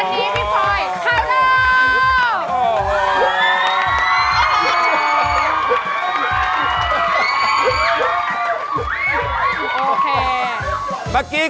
เมื่อกี้คุณให้วู้น